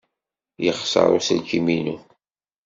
Yexṣer uselkim-inu.